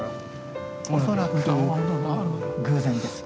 恐らく偶然です。